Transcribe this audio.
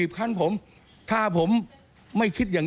ที่มันก็มีเรื่องที่ดิน